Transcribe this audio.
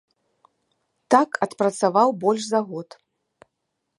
Так адпрацаваў больш за год.